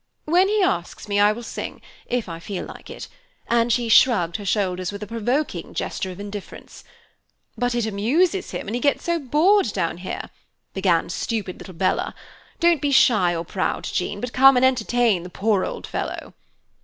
"'When he asks me, I will sing if I feel like it.' And she shrugged her shoulders with a provoking gesture of indifference. "'But it amuses him, and he gets so bored down here,' began stupid little Bella. 'Don't be shy or proud, Jean, but come and entertain the poor old fellow.